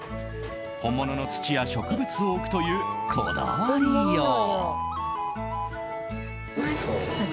本物の土や植物を置くというこだわりよう。